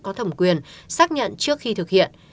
có thẩm quyền xác nhận trước khi thực hiện